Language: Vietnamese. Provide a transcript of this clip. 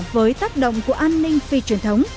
với tác động của an ninh phi truyền thống